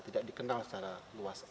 tidak dikenal secara luas